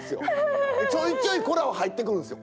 ちょいちょい「コラッ！」は入ってくるんですよ。